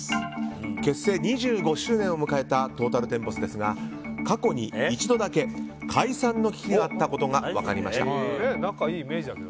結成２５周年を迎えたトータルテンボスですが過去に一度だけ解散の危機があったことが分かりました。